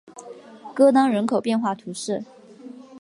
戈当人口变化图示